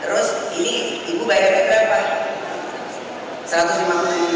terus ini ibu bayar rp satu ratus lima puluh juga